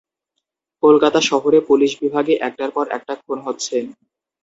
কলকাতা শহরে পুলিশ বিভাগে একটার পর একটা খুন হচ্ছে।